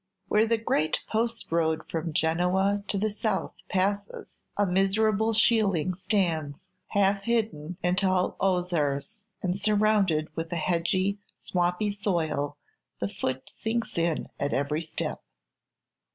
Where the great post road from Genoa to the South passes, a miserable shealing stands, half hidden in tall osiers, and surrounded with a sedgy, swampy soil the foot sinks in at every step.